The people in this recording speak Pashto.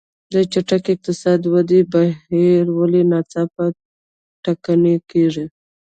د چټکې اقتصادي ودې بهیر ولې ناڅاپه ټکنی کېږي.